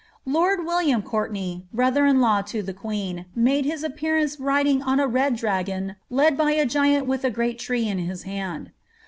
^' Liord William Courtenay (brother in law to the queen) made his ^ appearance riding on a red dragon led by a giant witli a greal tree in his hand.